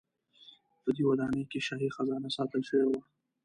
په دې ودانۍ کې شاهي خزانه ساتل شوې وه.